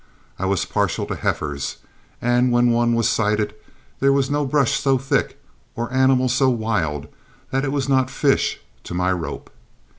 I was partial to heifers, and when one was sighted there was no brush so thick or animal so wild that it was not "fish" to my rope.